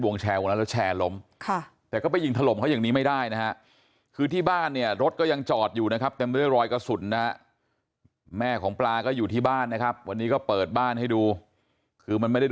วงเชลวันนั้นแล้วแชร์ลมค่ะแต่ก็ไปหญิงผลลบเขา